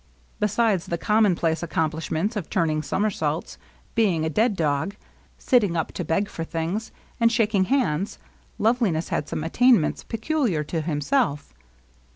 Besides the commonplace accomplishments of turning som ersaults, being a dead dog, sitting up to beg for things, and shaking hands. Loveliness had some attainments pecuUar to himself.